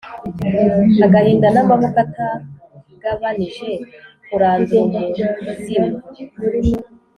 agahinda n'amaboko atagabanije kurandura umuzimu